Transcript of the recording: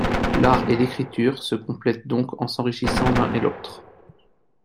L'art et l'écriture se complètent donc en s'enrichissant l'un et l'autre.